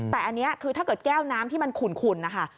แต่อันนี้คือถ้าเกิดแก้วน้ำที่มันขุ่นนะคะ